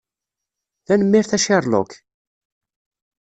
Tanemmirt a Sherlock!